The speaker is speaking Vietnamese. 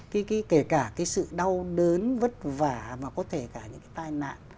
kể cả cái sự đau đớn vất vả và có thể cả những cái tai nạn